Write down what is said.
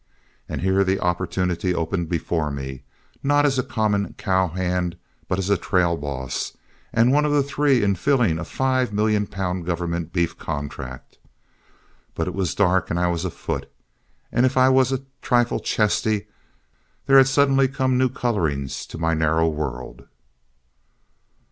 And here the opportunity opened before me, not as a common cow hand, but as a trail boss and one of three in filling a five million pound government beef contract! But it was dark and I was afoot, and if I was a trifle "chesty," there had suddenly come new colorings to my narrow world.